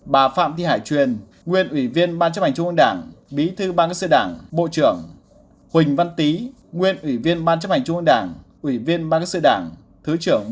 bà phạm thị hải truyền nguyên ủy viên ban chấp hành trung ương đảng bí thư ban các sự đảng bộ trưởng